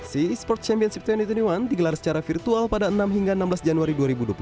sea e sports championship dua ribu dua puluh satu digelar secara virtual pada enam hingga enam belas januari dua ribu dua puluh tiga